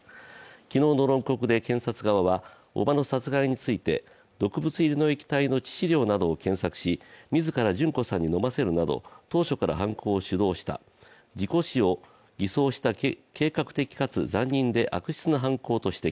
昨日の論告で検察側は、おばの殺害について毒物入りの液体の致死量などを検索し自ら旬子さんに飲ませるなど、当初から犯行を主導した、事故死を偽装した計画的かつ残忍で悪質な犯行と指摘。